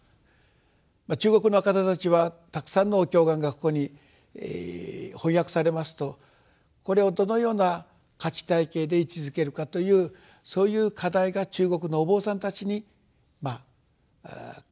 中国の方たちはたくさんのお経巻がここに翻訳されますとこれをどのような価値体系で位置づけるかというそういう課題が中国のお坊さんたちに課せられたわけですよね。